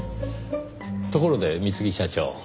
ところで三次社長。